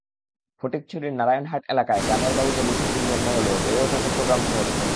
ফটিকছড়ির নারায়ণহাট এলাকায় গ্রামের বাড়িতে বৈশাখীর জন্ম হলেও বেড়ে ওঠা চট্টগ্রাম শহরেই।